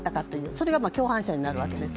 それが共犯者になるわけです。